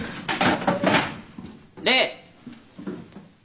礼。